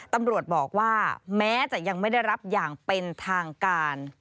ตำรวจบอกว่าแม้จะยังไม่ได้รับอย่างเป็นทางการ